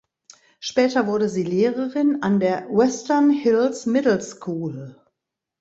Später wurde sie Lehrerin an der "Western Hills Middle School".